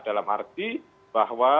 dalam arti bahwa